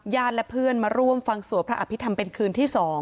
และเพื่อนมาร่วมฟังสวดพระอภิษฐรรมเป็นคืนที่๒